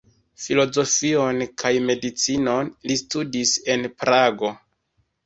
Filozofion kaj medicinon li studis en Prago.